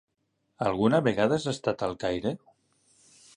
Alguna vegada has estat al Caire?